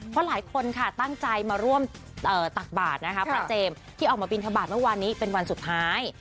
เพราะหลายคนค่ะตั้งใจมาร่วมตักบาทนะคะพระเจมส์ที่ออกมาบินทบาทเมื่อวานนี้เป็นวันสุดท้าย